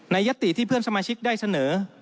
ยัตติที่เพื่อนสมาชิกได้เสนอ